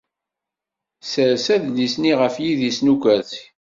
Sers adlis-nni ɣer yidis n ukersi.